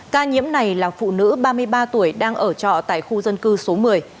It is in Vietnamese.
ca nhiễm này là phụ nữ ba mươi ba tuổi đang ở trọ tại khu dân cư số một mươi